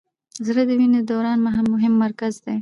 زړه د وینې د دوران مهم مرکز دی.